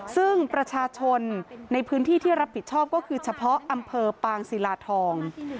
ซึ่งประชาชนในพื้นที่ที่รับผิดชอบก็คือเฉพาะอำเภอปางศิลาทอง